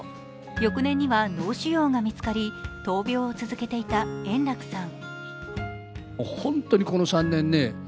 翌年には脳腫瘍が見つかり、闘病を続けていた円楽さん。